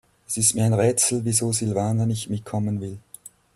Es ist mir ein Rätsel, wieso Silvana nicht mitkommen will.